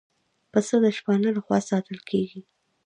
پسه د شپانه له خوا ساتل کېږي.